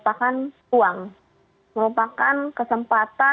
dan kalau kita lihat ke belakang historinya terjadi resesi saat itu di tahun dua ribu delapan